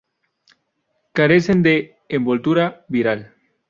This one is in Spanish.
Carecen de envoltura viral.